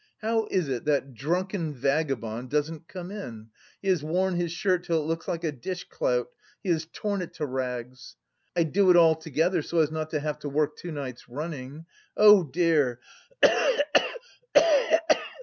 How is it that drunken vagabond doesn't come in? He has worn his shirt till it looks like a dish clout, he has torn it to rags! I'd do it all together, so as not to have to work two nights running! Oh, dear!